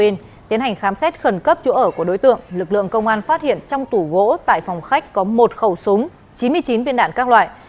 tiến hành khám xét khẩn cấp chỗ ở của đối tượng lực lượng công an phát hiện trong tủ gỗ tại phòng khách có một khẩu súng chín mươi chín viên đạn các loại